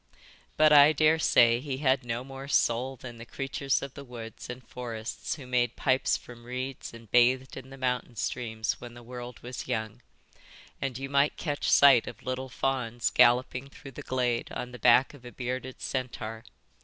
But I daresay he had no more soul than the creatures of the woods and forests who made pipes from reeds and bathed in the mountain streams when the world was young, and you might catch sight of little fawns galloping through the glade on the back of a bearded centaur.